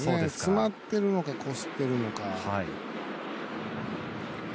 詰まってるのか、こすってるのか。